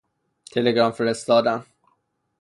تلگرام فرستادن